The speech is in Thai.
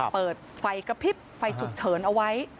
เปิดไฟกระพริบไฟฉุกเฉินเอาไว้